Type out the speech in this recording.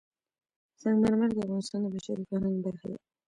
سنگ مرمر د افغانستان د بشري فرهنګ برخه ده.